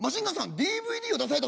ＤＶＤを出されたそうで？」。